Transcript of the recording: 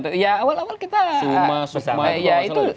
suma suma itu bahwa selalu di forkot